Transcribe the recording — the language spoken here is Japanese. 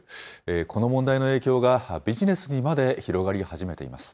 この問題の影響が、ビジネスにまで広がり始めています。